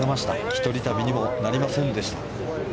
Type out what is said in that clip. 一人旅にもなりませんでした。